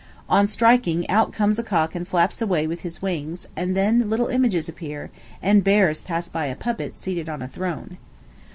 On striking, out comes a cock and flaps away with his wings, and then little images appear, and bears pass by a puppet, seated on a throne.